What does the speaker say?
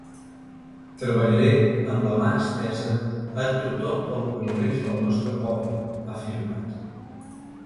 “Treballaré amb la mà estesa a tothom pel progrés del nostre poble”, ha afirmat.